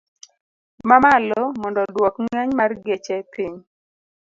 Ma malo mondo odwok ng'eny mar geche piny